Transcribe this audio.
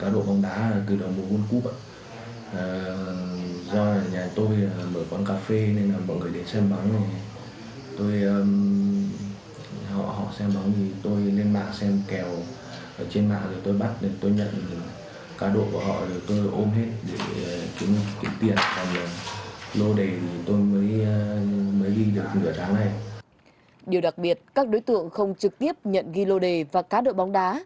điều đặc biệt các đối tượng không trực tiếp nhận ghi lô đề và cá đội bóng đá